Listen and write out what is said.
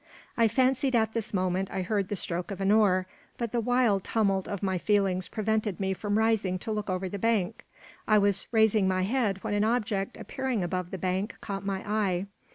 I fancied at this moment I heard the stroke of an oar; but the wild tumult of my feelings prevented me from rising to look over the bank. I was raising my head when an object, appearing above the bank, caught my eye.